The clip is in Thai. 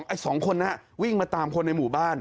ไอ้สองคนน่ะวิ่งมาตามคนในหมู่บ้าน